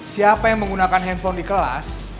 siapa yang menggunakan handphone di kelas